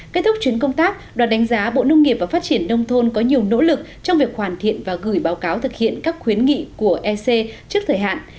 kết thúc chuyến công tác đoàn đánh giá bộ nông nghiệp và phát triển nông thôn có nhiều nỗ lực trong việc hoàn thiện và gửi báo cáo thực hiện các khuyến nghị của ec trước thời hạn